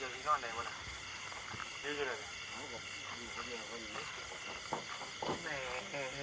นี่ใช่ไหมครับ